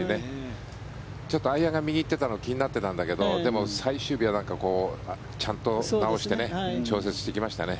ちょっとアイアンが右に行っていたのが気になったんだけどでも最終日はちゃんと直して調節してきましたね。